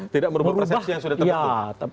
tidak berubah persepsi yang sudah terbuka